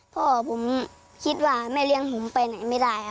พ่อผมคิดว่าแม่เลี้ยงผมไปไหนไม่ได้